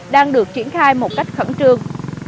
đang được triển khai một cách khẩn trương